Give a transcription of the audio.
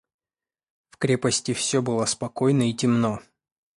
В крепости все было спокойно и темно.